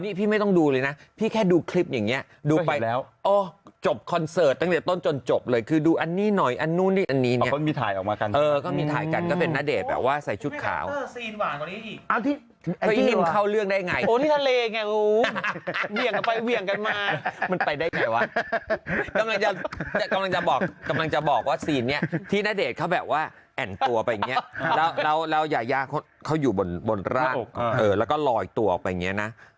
เหมือนทีนาแดทเขาแบบว่าแอนตัวไปอย่างเงี้ยแล้วหยายาเขาอยู่บนร่างแล้วก็รอยตัวออกไปอย่างเงี้ยนะ